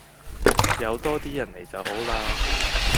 有多啲人嚟就好嘞